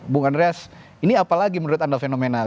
bung andreas ini apalagi menurut anda fenomenal